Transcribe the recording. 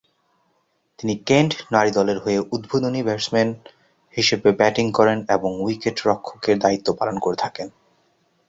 তিনি কেন্ট নারী দলের হয়ে উদ্বোধনী ব্যাটসম্যান হিসেবে ব্যাটিং করেন এবং উইকেট-রক্ষকের দায়িত্বও পালন করে থাকেন।